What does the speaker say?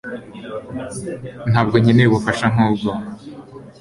ntabwo nkeneye ubufasha nkubwo